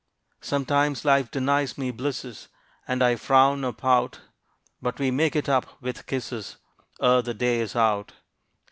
Sometimes Life denies me blisses, And I frown or pout; But we make it up with kisses Ere the day is out.